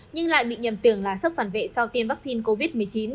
nhưng lại bị nhầm tưởng là sốc phản vệ sau tiêm vaccine covid một mươi chín